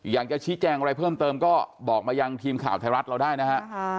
อยากจะชี้แจงอะไรเพิ่มเติมก็บอกมายังทีมข่าวไทยรัฐเราได้นะฮะ